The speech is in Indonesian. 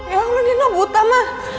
ya allah nino buta ma